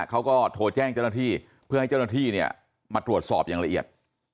เขาก็โทรแจ้งเจ้าหน้าที่เพื่อให้เจ้าหน้าที่เนี่ยมาตรวจสอบอย่างละเอียด